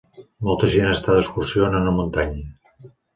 Molta gent està d'excursió en una muntanya.